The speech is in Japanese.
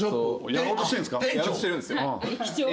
やろうとしてるんですよ。